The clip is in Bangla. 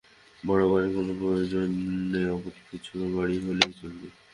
বড় বাড়ীর কোন প্রয়োজন নেই, আপাতত একটি ছোট বাড়ী হলেই চলবে।